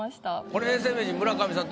これ永世名人村上さん